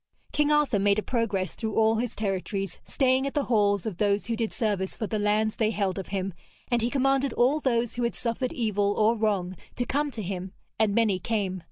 King Arthur made a progress through all his territories, staying at the halls of those who did service for the lands they held of him, and he commanded all those who had suffered evil or wrong to come to him, and many came.